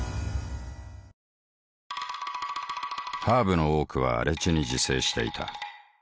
ハーブの多くは荒地に自生していた。